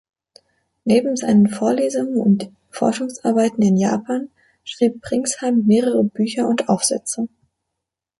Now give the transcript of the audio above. Neben seinen Vorlesungen und Forschungsarbeiten in Japan schrieb Pringsheim mehrere Bücher und Aufsätze.